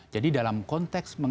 jadi dalam konteks berikutnya